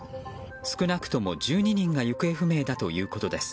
少なくとも１２人が行方不明だということです。